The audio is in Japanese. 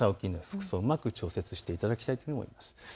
服装、うまく調節していただきたいと思います。